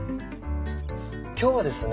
今日はですね